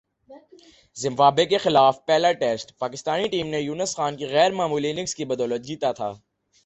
Zimbabwe کے خلاف پہلا ٹیسٹ پاکستانی ٹیم نے یونس خان کی غیر معمولی اننگز کی بدولت جیتا تھا ۔